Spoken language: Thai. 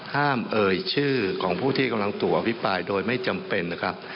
เอ่ยชื่อของผู้ที่กำลังถูกอภิปรายโดยไม่จำเป็นนะครับ